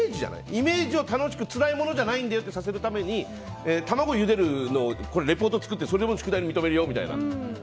イメージを、つらいものじゃないんだよということにさせるために卵をゆでるレポートを作ってそれでも宿題で認めるよみたいな。